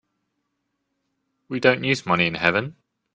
We don't use money in heaven.